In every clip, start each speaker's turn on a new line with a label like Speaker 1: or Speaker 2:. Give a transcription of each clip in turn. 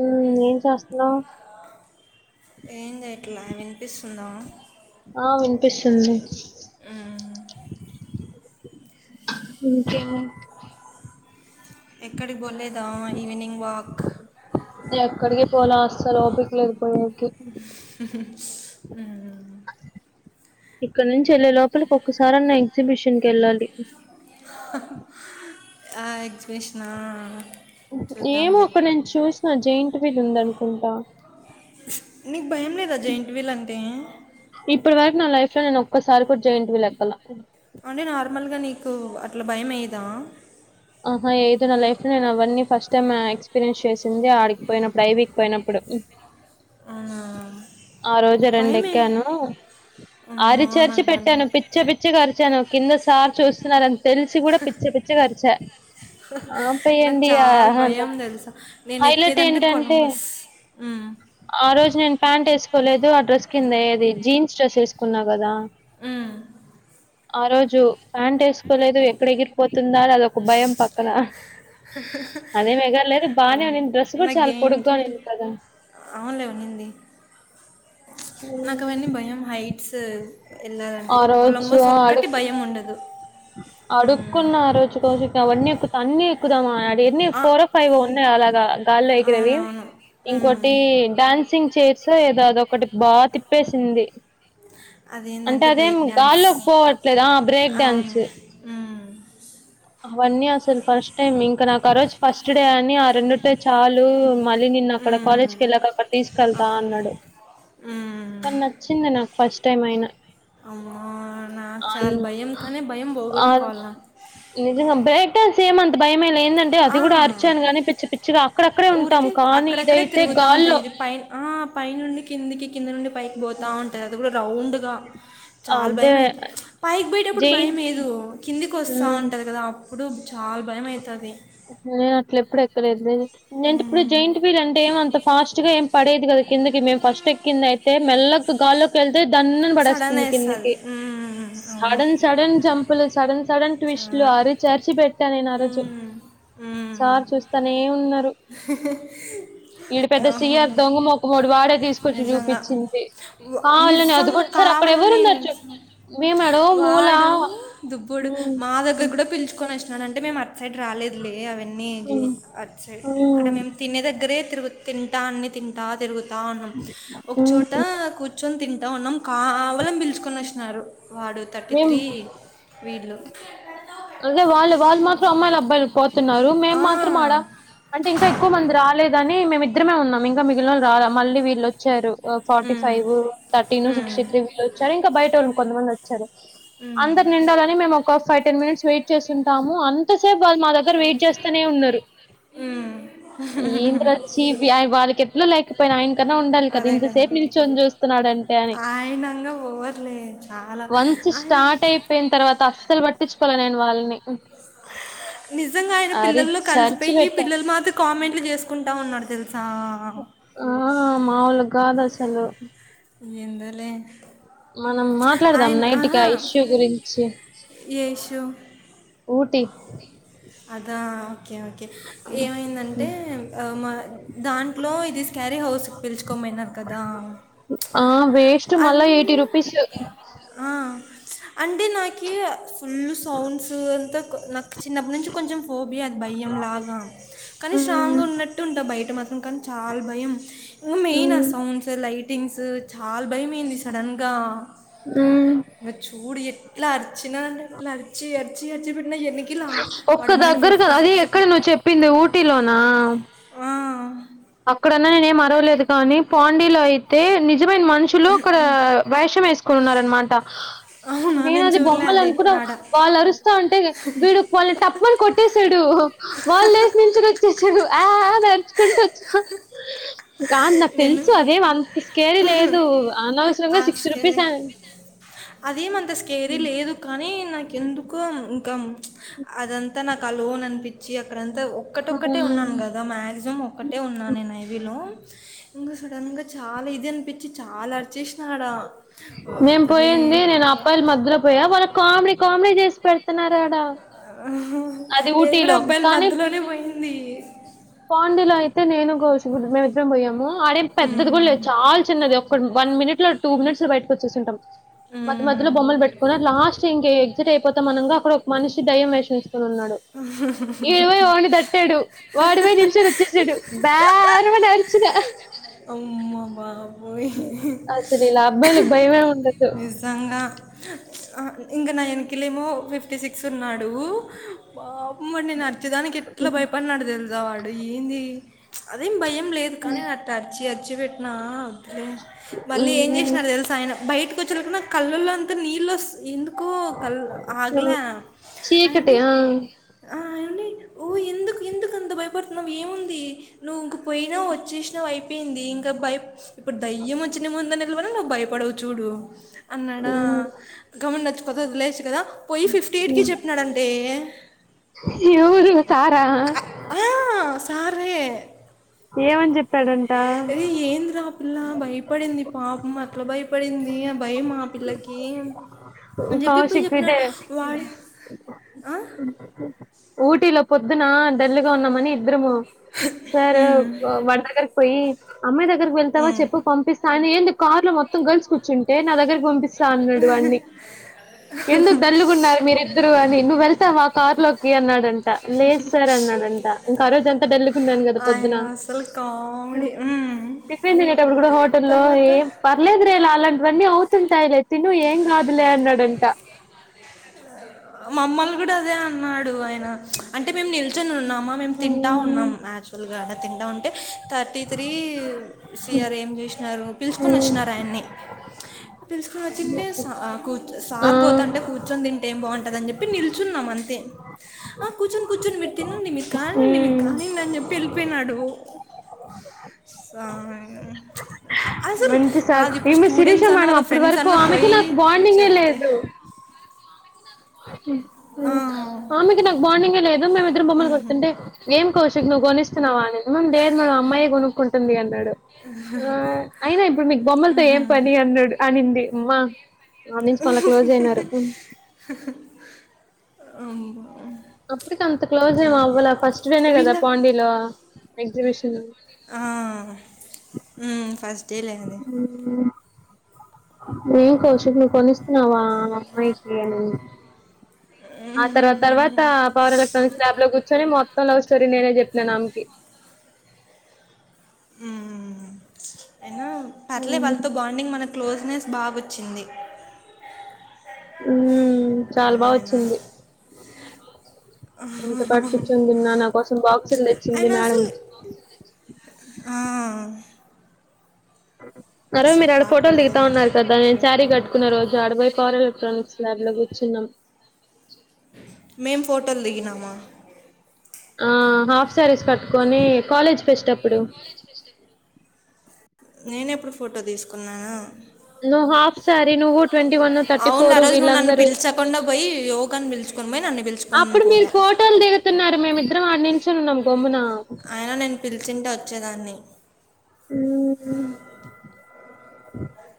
Speaker 1: ఉమ్ ఏం చేస్తున్నావు?
Speaker 2: ఏంది ఏట్లా వినిపిస్తుందా?
Speaker 1: ఆ వినిపిస్తుంది
Speaker 2: మ్
Speaker 1: ఇంకేమి
Speaker 2: ఇక్కడకి బోలేదా ఈవినింగ్ వాక్
Speaker 1: అక్కడికి పోల అస్సలు ఓపికలేక పోయ
Speaker 2: ఊహ్హ్ ఉమ్
Speaker 1: ఇక్కడ నుంచి వెళ్ళే లోపలికి ఒక్కసారన్న ఎగ్జిబిషన్కి వెళ్ళాలి.
Speaker 2: ఆ ఎగ్జిబిషనా
Speaker 1: ఏమో అక్కడ నేను చూసిన జెయింట్ వీల్ ఉందనుకుంటా.
Speaker 2: నీకు భయం లేదా జెయింట్ వీల్ అంటే?
Speaker 1: ఇప్పటి వరకు నా లైఫ్ లో నే ఒక్కసారి కూడా జెయింట్ వీల్ ఎక్కను.
Speaker 2: అంటే నార్మల్గా నీకు అట్లా భయం వేయదా?
Speaker 1: ఆహా ఏదు నా లైఫ్ లో నేను అవన్నీ ఫస్ట్ టైమ్ ఎక్స్పీరియన్స్ చేసింది. ఆడికి పోయినప్పుడు ఐవీకి పోయినప్పుడు
Speaker 2: లో కాస్ట్
Speaker 1: ఆరోజు రెండు
Speaker 2: భయమే
Speaker 1: ఎక్కాను
Speaker 2: అమ్మో
Speaker 1: అరిచరిచి
Speaker 2: నాకు
Speaker 1: పెట్టాను,
Speaker 2: భయం
Speaker 1: పిచ్చ పిచ్చ క అరిచాను కింద సార్ చూస్తున్నారుంత తెలిసి కూడా పిచ్చి పిచ్చిగా అరిచా
Speaker 2: నాకు
Speaker 1: ఆపేయండి ఆ,
Speaker 2: చాలా భయం తెలుసా నేను
Speaker 1: హైలైట్
Speaker 2: ఎక్కేదింటే
Speaker 1: ఏంటంటే
Speaker 2: కొలమస్ ఉమ్
Speaker 1: ఆ రోజు నేను ప్యాంట్ వేసుకోలేదు. ఆ డ్రెస్ కింద ఏది జీన్స్ డ్రెస్ వేసుకున్నా గదా
Speaker 2: అ
Speaker 1: ఆ రోజు ప్యాంట్ వేసుకోలేదు ఎక్కడ ఎగిరిపోతుందా అని అదొక భయం పక్కన అదే ఎగరలేదు బానే
Speaker 2: అమ్మో,
Speaker 1: నేను డ్రెస్ కూడా
Speaker 2: నాకు
Speaker 1: చాలా
Speaker 2: జైంట్
Speaker 1: పొడుగ్గా
Speaker 2: వీల్
Speaker 1: నను కదా
Speaker 2: అవునులే ఉనింది నాకు అవన్నీ భయం హైట్స్ వెళ్ళాలంటే
Speaker 1: ఆ రోజు
Speaker 2: కొలంబోస్
Speaker 1: అడు
Speaker 2: ఒక్కటి భయం ఉండదు. మ్మ్.
Speaker 1: అడుక్కున్న రోజుక రజు అవన్నీ ఎక్కుతా అన్నీ ఎక్కుదాం ఆ ఎన్ని
Speaker 2: ఆ,
Speaker 1: ఫోర్ ఫైవ్ ఉన్నాయి అలాగా గాల్లో ఎగిరేవి.
Speaker 2: అవునవును మ్మ్.
Speaker 1: ఇంకోటి డాన్సింగ్ చేర్స ఏదో అద ఒకటి బాగా తిప్పేసింది. అంటే
Speaker 2: అదేంటంటే
Speaker 1: అదేం
Speaker 2: బ్రేక్ డ్యాన్స్
Speaker 1: గాల్లోకి పోవట్లేద బ్రేక్ డాన్స్
Speaker 2: అవును మ్మ్.
Speaker 1: అవన్నీ అసలు ఫస్ట్ టైమ్ ఇంకా నాకు ఆ రోజు ఫస్ట్ డే అని ఆ రెండు టే చాలు మళ్ళీ నిన్ను అక్కడ
Speaker 2: మ్మ్.
Speaker 1: కాలేజ్కి వెళ్ళాక అక్కడ తీసుకెళ్తా
Speaker 2: అవునులే
Speaker 1: అన్నాడు.
Speaker 2: మ్మ్.
Speaker 1: కాన్ నచ్చింది నాకు ఫస్ట్ టైం అయిన
Speaker 2: అమ్మో నాకు
Speaker 1: అన్
Speaker 2: చాలా భయం కానీ భయం
Speaker 1: ఆ
Speaker 2: పోగొట్టుకోవాలా
Speaker 1: నిజంగా బ్రేక్ డాన్స్ ఏమంత భయమేయలే ఏందంటే అది కూడా అరిచాను గానీ పిచ్చి పిచ్చిగా అక్కడక్కడే ఉంటాం
Speaker 2: ఊరికి
Speaker 1: కానీ
Speaker 2: అక్కడక్కడే
Speaker 1: ఇదైతే
Speaker 2: తిరుగుతా ఉంటది
Speaker 1: గాల్లో
Speaker 2: ఇది పై ఆ పై నుండి కిందికి కింద నుండి పైకి పోతా త ఉంటది అది కూడా రౌండ్ చాలా
Speaker 1: అదే
Speaker 2: భయం అవుతది పైకి పోయటప్పుడు
Speaker 1: జై
Speaker 2: భయం ఏదు కిందికి వస్తా
Speaker 1: ఉమ్
Speaker 2: ఉంటది కదా ప్పుడు చాలా భయం అయితది
Speaker 1: నే అట్ల ఎప్పుడు ఎక్కలేదు నేంటప్పుడు జైట్ వీలంటే ఏమంత ఫాస్ట్ గా ఏం పడేది కదా కిందకి మేము ఫస్ట్ కిందైతే మెల్లగా గాల్లోకేల్ అే దంన్ అని
Speaker 2: సడన్
Speaker 1: పడేస్తుంది కిందికి
Speaker 2: వేస్తుంది అవును
Speaker 1: సడన్ సడన్ జంపులు సడన్ సడన్ ట్విస్ట్ లో
Speaker 2: చాలా
Speaker 1: ఆరిచర్చి పెట్నా నేను ఆ రోజు
Speaker 2: ఉమ్, ఉమ్.
Speaker 1: సార్ చూస్తానే ఉన్నారు ఈడు పెద్ద సియర్ దొంగ మొఖమోడు వాడే తీసుకొచ్చి చూపించింది
Speaker 2: అవ్
Speaker 1: కావాలని అది
Speaker 2: నిజంగా
Speaker 1: కూడా సార్ అక్కడ
Speaker 2: కావాలనే
Speaker 1: ఎవరున్నారు చూ మేము ఎడో మూల
Speaker 2: వాడు దుబ్బుడు
Speaker 1: ఉమ్
Speaker 2: మా దగ్గర కూడా పిలుచుకొని వచ్చినాడంటే మేము అ సైడ్ రాలేదులే అవన్నీ
Speaker 1: ఉమ్
Speaker 2: అ సైడ్ ఇక్కడ
Speaker 1: ఉమ్
Speaker 2: మేము తినే దగ్గరే తిరుగు తింటా అన్ని తింటా తిరుగుతా ఉన్నాం
Speaker 1: ఉమ్
Speaker 2: ఒకచోట
Speaker 1: ఉమ్
Speaker 2: కూర్ కూర్చొని తింట ఉన్నాం కావలని పిలుచుకొనోచ్చినారు వాడు థర్టీ త్రీ
Speaker 1: మేము
Speaker 2: వీళ్ళు
Speaker 1: అదే వాళ్ళు వాళ్ళు మాత్రం అమ్మాయిలు అబ్బాయిలు పోతున్నారు మేం
Speaker 2: ఆ,
Speaker 1: మాత్రం ఆడా అంటే ఇంకా ఎక్కువ మంది రాలేదని మేమిద్దరమే ఉన్నాం ఇంకా మిగిలిన వాళ్ళు రాలా మళ్ళీ వీళ్ళు వచ్చారు forty
Speaker 2: um,
Speaker 1: five thirteen sixty
Speaker 2: um,
Speaker 1: three వీళ్ళు వచ్చారు ఇంకా బయట వాళ్ కొమంది వచ్చారు
Speaker 2: ఉమ్,
Speaker 1: అందరు నిండాలని మేము ఒక ఫైవ్ టెన్ మినిట్స్ వెయిట్ చేస్తుంటాము అంత స్టఫల్ మా దగ్గర వెయిట్ చేస్తనే ఉన్నారు
Speaker 2: ఉమ్.
Speaker 1: ఏంట్ర చ్చి వాళ్ళకి ఎట్లా లేకపోయినా ఆయన్
Speaker 2: అదే కదా
Speaker 1: చూస్తున్నాడంటే అని
Speaker 2: ఆయనంగా ఓవర్ లే చాలా
Speaker 1: వన్స్
Speaker 2: ఆయన
Speaker 1: స్టార్ట్ అయిపోయిన తర్వాత అస్సలు పట్టించుకోలే నేను వాళ్ళని
Speaker 2: నిజంగా ఆయన
Speaker 1: అరి
Speaker 2: పిల్లల్లో
Speaker 1: చర్చి
Speaker 2: కలిసిపోయి
Speaker 1: పెట్టా
Speaker 2: పిల్లల మాదిరి కామెంట్లు చేసుకుంటా ఉన్నాడు తెల్
Speaker 1: ఆ మాముూలుగాదసలు
Speaker 2: ఎందోలే
Speaker 1: మనం మాట్లాడుదాం నైట్కి ఆ ఇష్యూ గురించి
Speaker 2: యేషు
Speaker 1: ఊటి
Speaker 2: అదా ఓకే ఓకే ఏమైందంటే మా దాంట్లో ఇది క్యారీ హౌస్ి పిలుచుకోని పోయినార్ కదా
Speaker 1: అ వేస్ట్ మళ్ళ ఎయిటీ
Speaker 2: అందులో
Speaker 1: రూపీస్
Speaker 2: ఆ అంటే నాకు ఫుల్ సౌండ్స్ అంతా నాకు చిన్నప్పటి నుం కొంచెం ఫోబియ భయం లాగా కానీ
Speaker 1: మ్మ్
Speaker 2: స్ట్రాంగ్ గా ఉన్నట్టు ఉంటా బయట మ కన్ చాలా భయం ఇంగ మెయిన్ ఆ
Speaker 1: మ్మ్
Speaker 2: సౌండ్స్ లై టింగ్స్ చాలా భయమైది సడన్ గా
Speaker 1: మ్మ్
Speaker 2: ఇంగ చూడు ఎట్లా అ అ చిన్న అంటే ఇట్లా అరిచి అరిచ్చి ఎరిచ్చి పెట్న ఎన్నికలా
Speaker 1: ఇంకా దగ్గర కదా అది ఎక్కడ నువ్వు చెప్పింది ఊటీలోనా అక్కడన్నా నేనేం అర్వలేదు కానీ పాండీలో అయితే ని నజమైన మనుషులు అక్కడ వైషం వేసుకొనిఉన్నరన్నమాట
Speaker 2: అవునా
Speaker 1: నేను అది
Speaker 2: చూడలే
Speaker 1: బొమ్మలే
Speaker 2: అదే
Speaker 1: అనుకున్నా
Speaker 2: ఆడ
Speaker 1: వాళ్ళు అరుస్తా ఉంటే వీడు వాళ్ళన్ టప్ అని కొట్టేసాడు వాళ్ళు లేసి నుంచోని వచ్చేసారు ఆ అని ఆరుచుకుంటూ వచ్ గ నాకు
Speaker 2: నేను
Speaker 1: తెలుసు అదే అంత స్కేరీ లేదు అనవసరంగా
Speaker 2: ఆ
Speaker 1: సిక్స్ రూపీస్ అ
Speaker 2: స్కేరింగ్ అదేమంత స్కేరీ లేదు కానీ నాకు ఎందుకు ఇంకా అదంతా నాకు ఆ లోన్ అనిపించి అక్కడంత అద ఒక్కటొక్కటే ఉన్నాను కదా మ్యాక్సిమం ఒక్కటే ఉన్నా నేను అవిలో ఇంకా సడన్గా చాలా ఇది అనిపించి చాలా అర్
Speaker 1: మేం పోయింది నేను అబ్బాయిల మధ్యలో పోయా వాళ్ళ కామడి కామెడీ చేసి పెడుతున్నారే ఆడ
Speaker 2: ఆ
Speaker 1: అది
Speaker 2: నేను కూడా
Speaker 1: ఊటీలో
Speaker 2: అబ్బాయిల మధ్యలోనే పోయింది
Speaker 1: పాండలో అయితే నేనుమిద్రం పోయాము అడే పెద్దది కూడా
Speaker 2: ఉమ్,
Speaker 1: లేదు చాలా చిన్నది ఒక్కడు వన్ మినిట్ లో టూ మినిట్స్ లో బయటకు వచ్చే ఉంటాం మధ్య మధ్యలో
Speaker 2: ఉమ్,
Speaker 1: బొమ్మలు పెట్టుకుని లాస్ట్ ఇంక ఎగ్జట్ పో మనగా అక్కడ ఒక మనిషి దయ్యం వేషించుకుని ఉన్నాడు ఇవై ఓని దట్టాడు వాడు పోయి నిలుచొని వచ్చేసాడు బార అని అరిచాను
Speaker 2: వామ్మో
Speaker 1: అబ్బాయిలకు భయమే ఉండదు
Speaker 2: నిజంగా ఇంకా నా వెనకాల ఏమో ఫిఫ్టీ సిక్స్ ఉన్నాడు బాబమ్మడి నేను అర్చదానికి ఎట్లా భయపడినాడు తెలుసావాడు ఏంది అదేం భయం లేదు కానీ అచి అచి పెట్టినా అలే మళ్ళ ఏం
Speaker 1: ఉమ్,
Speaker 2: చేసిన తెలుసా ఆయన బయట వచ్చ కళ్ళల్లో అంత నీళ్ వస్తా ఎందు కో కల్ ఆగలా అయినా
Speaker 1: చీకటి
Speaker 2: అంది
Speaker 1: ఆ.
Speaker 2: ఆ అయినా నే ఓ ఎందుకు ఎందుకు ఎందుకు భయపడుతున్నావు్ ఏముంది నువ్వు ఇంక పోయినా వచ్చేసినా అయిపోయింది ఇంకా భ ఇప్పుడు దయ్యం దయ్యం వచ్చి నీ ముందట నిలబడ్డ నువ్వు భయపడవు చూడు అన్నాడా
Speaker 1: ఉమ్,
Speaker 2: గమన్ నచ్చిపో వదిలేసి కదా పోయి ఫిఫ్టీ ఎయిట్కి చెప్పినాడంటే
Speaker 1: ఎవరు సారా
Speaker 2: ఆ సరే
Speaker 1: ఏమని చెప్పాడంట
Speaker 2: అరేయ్ ఏంది రా ఆ పిల్ల భయపడింది పాపం అట్లా భయపడింది ఆ భయం ఆ పిల్లకి అమ్
Speaker 1: కౌశిక్ ఇత్తే
Speaker 2: ఆ?
Speaker 1: పోటీలో పొద్దున డల్గా ఉన్నామని ఇద్దరము సార్ వడదగర్ పోయి అమ్మాయి దగ్గరకి వెళ్తావా
Speaker 2: హ్మ్.
Speaker 1: చెప్పు పంపిస్తా అని ఏంది కార్ లో మొత్తం గర్ల్స్ కూర్చంట నా దగ్గకి పంపిస్తంది అన్నాడు అన్నీ ఎందుకు దల్లుకున్నారు మీరిద్దరు అని నువ్వు వెళ్తావు ఆ కార్లో అన్నాడంట లేదు సార్ అన్నాడంట ఇంకా ఆ రోజ అంతా డల్లుగా ఉన్నాను కదా పొద్దున
Speaker 2: ఆయన అసలు కామెడీ. హ్మ్.
Speaker 1: టిఫిన్ తినేటప్పుడు కూడా హోటల్లో
Speaker 2: తర్వాత
Speaker 1: ఏ పర్లేద్రే అలాంటివన్నీ అవుతుంటాయిలే తిను ఏం కాదులే అన్నాడంట
Speaker 2: మా అమ్మలు కూడా అదే అన్నాడు ఆయన అంటే మేము నిల్చొని ఉన్నాం అమ్మా మేము తింటా ఉన్నాం నాచువల్ గా తింటా ఉంటే థర్టీ త్రీ సిఆర్ ఏం చేసినారు పిలుచుకొని వచ్చినారు ఆయన్ని తెలుసుకొని వచ్చింది కూర్చ
Speaker 1: ఆ
Speaker 2: సార్ పోతుంటే కూర్చొని తింటే ఏం బాగుంటుంది ని చెప్పి నిల్చున్నాం అంతే ఆ కూర్చొని కూర్చొని మీరు తినండి మీకు కానిండి మీరు
Speaker 1: ఉమ్
Speaker 2: కానిండి అని చెప్పి వెళ్ళిపోయినాడు స్వామి ఉచ్చు అసలు
Speaker 1: మంచి సార్
Speaker 2: కాదు ఇప్పుడు
Speaker 1: ఈమె శిరీష
Speaker 2: స్టూడెంట్స్ అన్న
Speaker 1: మేడం
Speaker 2: వాళ్ళ
Speaker 1: అప్పటి
Speaker 2: ఫ్రెండ్స్
Speaker 1: వరకు
Speaker 2: అన్నా
Speaker 1: ఆమెకి
Speaker 2: పోయి
Speaker 1: నాకు బాండింగే
Speaker 2: చెప్తే
Speaker 1: లేదు
Speaker 2: ఆ
Speaker 1: ఆమ్మెకి నాకు బావుండింగ్ లేదు మేమిద్దరుం బమ్మలు కొంటె లేదు కౌశిక్ నువ్వు కొనిస్తే మం లేేదు మనం అమ్మాయిే కొనుక్కుంటుంది అని ఆ అయినా ఇప్పుడు మీకు బొమ్మలతో ఏం పని అన్నాడు అనింది అమ్మా ఆ నుంచి మళ్ళీ క్లోజ్ అయినారు
Speaker 2: అంబా
Speaker 1: అప్పటికి అంత క్లోజ్ ఏమో అవ్వాల ఫస్ట్ డేనే కదా పాండీలో ఎగ్జిబిషన్
Speaker 2: ఆ హ్మ్ ఫస్టే లే అది
Speaker 1: ఏం కోచట్ నువ్ కొనిస్తున్నావా ఆ అమ్మాయికి అనింది ఆ తర్వా తర్వాత పవర్ ఎలక్ట్రానిక్స్ ల్యాబ్ లో కూర్చొని మొత్తం లవ్ స్ స్టోరీ నేనే చెప్పినాను ఆమెకి
Speaker 2: హ్మ్ అయినా అట్లే
Speaker 1: ఉమ్.
Speaker 2: వాళ్ళతో బాండింగ్ మనకి క్లోజ్నెస్ బాగొచ్చింది
Speaker 1: హ్మ్ చాలా బా
Speaker 2: ఆయన
Speaker 1: వచ్చింది నాతో పాటు కూర్చొని తిన్నా నా కోసం బాక్సులు తెచ్చింది
Speaker 2: ఆయన
Speaker 1: మేడం
Speaker 2: అసలు ఆ,
Speaker 1: ఆరోజు మీరు ఆడ
Speaker 2: బాగా
Speaker 1: ఫోటోలు
Speaker 2: క్లోజ్
Speaker 1: దిగుతా
Speaker 2: అయినారు
Speaker 1: ఉన్నారు కదా నేను సారీ కట్టుకున్న రోజు ఆడపోయి పవర్ ఎలక్ట్రానిక్స్ ల్యాబ్ లో కూర్చున్నాం
Speaker 2: మేం ఫోటోలు దిగినామా
Speaker 1: ఆ హాఫ్ సారీస్ కట్టుకొని కాలేజ్ ఫెస్ట్ అప్పుడు
Speaker 2: నేనెప్పుడు ఫోటో తీసుకున్నా
Speaker 1: నువ్వు హాఫ్ సారీ నువ్వు ట్వంటీ వన్ థర్టీ
Speaker 2: అవును ఆ
Speaker 1: ఫోరు
Speaker 2: రోజు నువ్వు నన్ను
Speaker 1: వీళ్ళందరూ
Speaker 2: పిలిచకుండా పోయి యోగాని పిలుచుకొని పోయి నన్ను పిలుచుకొని
Speaker 1: అప్పుడు మీరు
Speaker 2: పోలే
Speaker 1: ఫోటోలు దిగుతున్నారు మేమిద్దరం ఆడ నుంచోని ఉన్నాం గమ్మున
Speaker 2: ఆయన నేను పిలిచింటే వచ్చేదాన్ని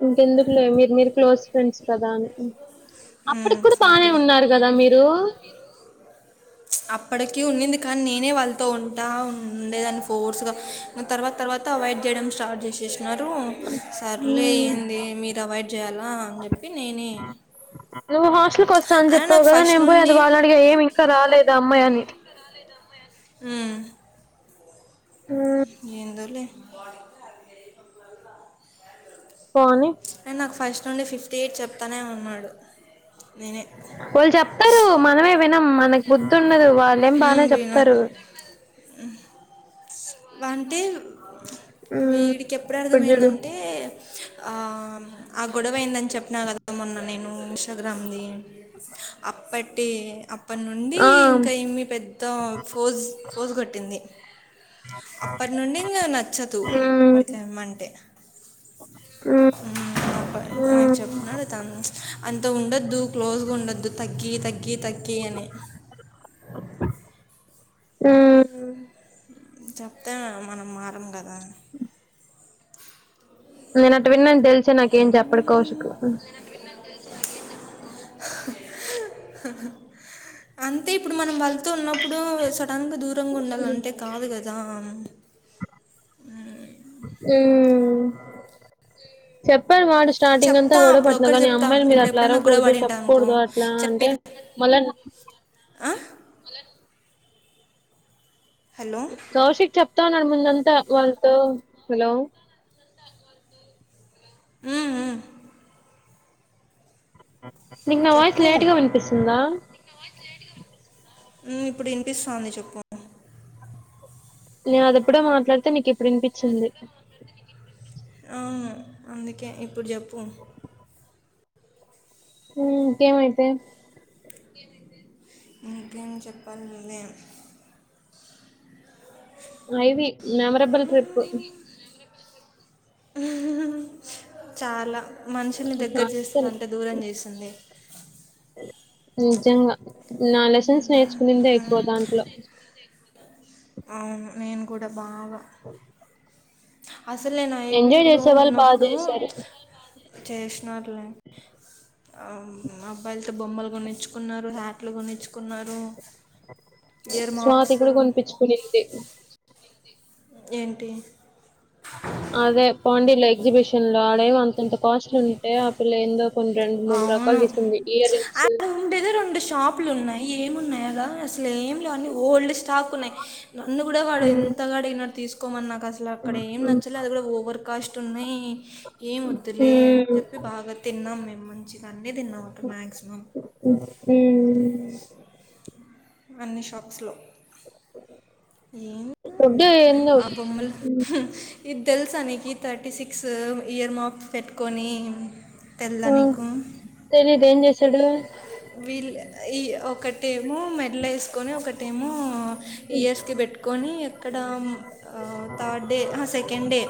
Speaker 1: ఇంకెందుకులే మీరు మీరు క్లోస్ ఫ్రెండ్స్ కదా అని
Speaker 2: మ్మ్,
Speaker 1: అప్పటికి కూడా బానే
Speaker 2: సర్లే
Speaker 1: ఉన్నారు కదా మీరు
Speaker 2: అప్పటికి ఉన్నింది కానీ నేనే వాళ్ళతో ఉంటా ఉండేదాన్ని ఫోర్స్గా తర్వాత తర్వాత అవాయిడ్ చేయడం స్టార్ట్ చేసేసి న్నారు సర్లే
Speaker 1: ఉమ్
Speaker 2: ఏంది మీరు అవాయిడ్ చేయాలా అని చెప్పి నేనే
Speaker 1: నువ్వు హాస్టల్కి వస్తా అని
Speaker 2: అయినా
Speaker 1: చెప్పావు
Speaker 2: నాకు
Speaker 1: కదా
Speaker 2: ఫస్ట్
Speaker 1: నేను పోయి అది
Speaker 2: నుండి
Speaker 1: వాళ్ళని అడిగా ఏమి ఇంకా రాలేదు ఆ అమ్మాయి అని
Speaker 2: హ్మ్
Speaker 1: మ్మ్,
Speaker 2: ఏందోలే
Speaker 1: పోని
Speaker 2: అండ్ నాకు ఫస్ట్ నుండి ఫిఫ్టీ ఎయిట్ చెప్తానే ఉన్నాడు నేనే
Speaker 1: వాళ్ళు చెప్తారు మనమే వినం నాకు బుద్ధి ఉండదు వాళ్ళేం బానే
Speaker 2: "ఉమ్, వినం
Speaker 1: చెప్తారు
Speaker 2: అంటే
Speaker 1: మ్మ్,
Speaker 2: వీడికి
Speaker 1: ఇప్పుడు చూడు
Speaker 2: ఎప్పుడర్థమైందంటే ఆ ఆ గొడవ అయిందని చెప్పిన కదా మొన్న నేను ఇన్స్టాగ్రామ్ది అప్పటి అప్ అప్పటి నుండి
Speaker 1: ఆ
Speaker 2: ఇంకా ఏమి పెద్ద ఫోజ్ ఫోజ్ కొట్టింది అప్పటి నుండి ఇంకా నచ్చదు
Speaker 1: మ్మ్,
Speaker 2: వాడికిమ్మంటే
Speaker 1: మ్మ్,
Speaker 2: హ్మ్ నాకు
Speaker 1: మ్మ్,
Speaker 2: చెప్తున్నాడు తను అంత ఉండొద్దు క్లోజ్గా ఉండద్దు తగ్గి తగ్గి తగ్గి అని
Speaker 1: హ్మ్
Speaker 2: చెప్తా మనం మారం కదా
Speaker 1: నేను అటు వినని తెలిసే నాకేం చెప్పడు కౌషికు
Speaker 2: అంతే ఇప్పుడు మనం వాళ్ళతో ఉన్నప్పుడు సడన్ గా దూరంగా
Speaker 1: మ్మ్.
Speaker 2: ఉండాలంటే కాదు కదా దాన్
Speaker 1: చెప్పల్ మడు స్టార్టింగ్ అంతా
Speaker 2: చెప్తా
Speaker 1: గొడవ
Speaker 2: అప్పుడు
Speaker 1: పడుతున్నా
Speaker 2: ఒక్కటి
Speaker 1: కానీ
Speaker 2: చెప్తా
Speaker 1: అమ్మాయిలు మీరు
Speaker 2: ఇప్పుడు
Speaker 1: అట్లా
Speaker 2: ఎప్పుడైనా గొడవ
Speaker 1: అరవకూడదు
Speaker 2: పడింటా అనుకో
Speaker 1: చెప్పకూడదు అట్లా
Speaker 2: చెప్పే
Speaker 1: అంటే మళ్ళ
Speaker 2: ఆ హలో
Speaker 1: కౌశిక్ చెప్తా ఉన్నాడు ముందంతా వాళ్ళతో హలో
Speaker 2: ఉ ఉ
Speaker 1: నీకు నా వాయిస్
Speaker 2: చెప్పు
Speaker 1: లేట్గా వినిపిస్తుందా
Speaker 2: ఉ ఇప్పుడు వినిపిస్తాంది చెప్పు
Speaker 1: నేను అది ఎప్పుడో మాట్లాడితే నీకు ఇప్పుడు వినిపించింది
Speaker 2: అవును అందుకే ఇప్పుడు చెప్పు
Speaker 1: ఉ ఇంకేం యితే
Speaker 2: ఇంకేం చెప్పాలి నువ్వే
Speaker 1: ఐవి మెమరబుల్ ట్రిప్
Speaker 2: చాలా మనుషుల్ని దగ్గర
Speaker 1: అస్సలు
Speaker 2: చేస్తారంటే దూరం చేస్తుంది
Speaker 1: నిజంగా నా లెసన్స్ నేర్చుకునిందే ఎక్కువ
Speaker 2: ఉమ్,
Speaker 1: దాంట్లో
Speaker 2: అవును నేను కూడా బాగా అసలు నేను
Speaker 1: ఎంజాయ్
Speaker 2: ఐవీలో
Speaker 1: చేసే వాళ్ళు బాగా
Speaker 2: ఉన్నప్పుడు
Speaker 1: చేశారు
Speaker 2: చేసినట్లే అబ్బాయిలతో బొమ్మలు కొనించుకున్నారు హ్యాట్లు కొనించుకున్నారు
Speaker 1: స్వాతి కూడా కొనిపించుకునింది
Speaker 2: ఏంటి
Speaker 1: అదే పాండల ఎగ్జిబిషన్ లో ఆడే అంతంత కాస్ట్లు ఉంటే ఆ పిల్ల ఏందో కొన్ని రెండు మూడు
Speaker 2: అవును
Speaker 1: రకాలు తీసుకుంది ఇయర్ రింగ్స్
Speaker 2: ఆడ ఉండేది రెండు షాపులు ఉన్నాయి ఏమున్నాయగా అసలు ఏం లేవీ అని ఓల్డ్ స్టాక్ ఉన్నాయి నన్న కూడా వాడు
Speaker 1: ఉమ్,
Speaker 2: ఎంత అడిగిన తీసుకు అసలు అక్కడ ఏం
Speaker 1: ఉమ్,
Speaker 2: నచ్చలే అది కూడా ఓవర్ కాస్ట్ ఉన్నాయి ఏం వద్దులే అని చెప్పి బాగా తిన్నాం మేము మంచిగా అన్నీ తిన్నాం అక్కడ మ్యాక్సిమం
Speaker 1: ఉమ్, ఉమ్.
Speaker 2: అన్ని షాక్స్లో ఏ
Speaker 1: ఫుడ్ ఏందో
Speaker 2: అబమల్ ఇది తెలుసానికి థర్టీ సిక్స్ ఇయర్ మాప్ పెట్టుకొని తెల్ళడానికి
Speaker 1: తెలీదు ఏం చేసాడు
Speaker 2: వీళ్ళు ఈ ఒకటేమో మెట్ లో ఏసుకోని ఒకటేమో ఇయర్స్ కి పెట్టుకని ఎక్కడ అ థర్డ్ డే ఆ సెకండ్ డే